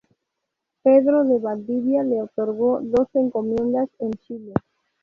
Pedro de Valdivia le otorgó dos encomiendas en Chile.